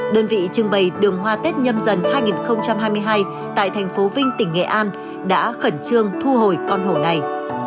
đơn vị trưng bày đường hoa tết nhâm dần hai nghìn hai mươi hai tại thành phố vinh tỉnh nghệ an đã khẩn trương thu hồi con hổ này